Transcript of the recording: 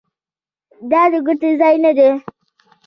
د ګوتې ځای نه و.